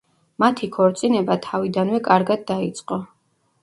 მათი ქორწინება თავიდანვე კარგად დაიწყო.